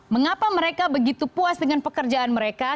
mengapa mereka begitu puas dengan pekerjaan mereka